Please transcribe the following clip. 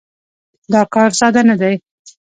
دا کار ساده نه دی.